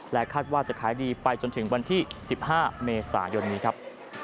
คาดว่าจะขายดีไปจนถึงวันที่๑๕เมษายนนี้ครับ